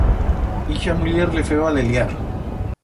Ixa muller le feba leliar.